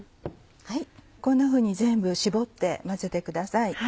こんなふうに全部絞って混ぜてください。